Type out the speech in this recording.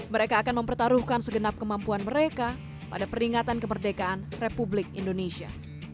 mereka akan mempertaruhkan segenap kemampuan mereka pada peringatan kemerdekaan republik indonesia